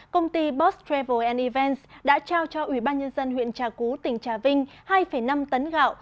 công ty boss travel events đã trao cho ủy ban nhân dân huyện trà cú tỉnh trà vinh hai năm tấn gạo